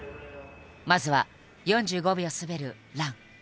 まずは４５秒滑る「ラン」。